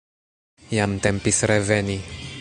Jam tempis reveni.